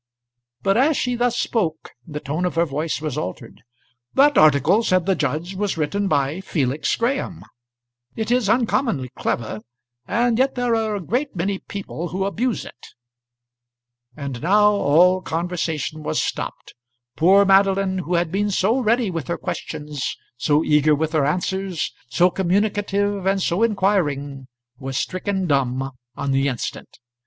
But as she thus spoke the tone of her voice was altered. "That article," said the judge, "was written by Felix Graham. It is uncommonly clever, and yet there are a great many people who abuse it." And now all conversation was stopped. Poor Madeline, who had been so ready with her questions, so eager with her answers, so communicative and so inquiring, was stricken dumb on the instant.